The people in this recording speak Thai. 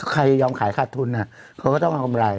ใครยอมขายขาดทุนเขาก็ต้องมากำไร